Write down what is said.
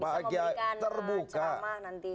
bisa ngomongin ke anak ke rumah nanti